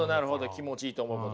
気持ちいいと思うこと。